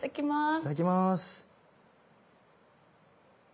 いただきます。